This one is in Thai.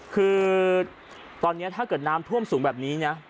คือตอนนี้ถ้าเกิดน้ำท่วมสูงแบบนี้นะ